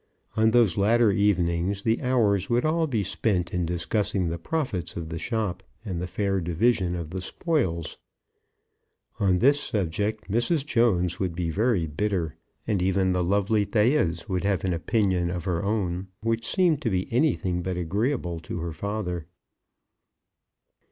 On those latter evenings the hours would all be spent in discussing the profits of the shop and the fair division of the spoils. On this subject Mrs. Jones would be very bitter, and even the lovely Thais would have an opinion of her own which seemed to be anything but agreeable to her father.